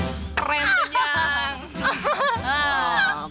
keren tuh jang